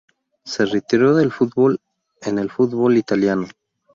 Se retiró del fútbol en el fútbol italiano.